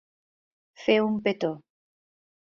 Fer un petó.